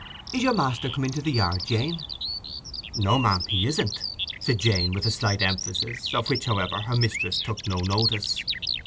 "Is your master come into the yard, Jane?" "No 'm, he isn't," said Jane, with a slight emphasis, of which, however, her mistress took no notice.